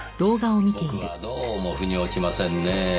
僕はどうも腑に落ちませんねぇ。